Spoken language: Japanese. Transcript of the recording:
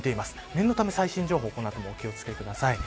念のため最新情報にこの後もお気を付けください。